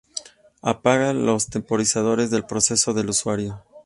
Apaga los temporizadores del proceso del usuario.